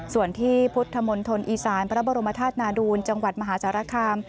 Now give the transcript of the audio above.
ส่วนที่พุทธมณฑลอีสานพระบรมธาตุนาดูลจังหวัดมหาสารคาม